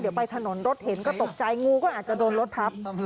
เดี๋ยวไปถนนรถเห็นก็ตกใจงูก็อาจจะโดนรถทับ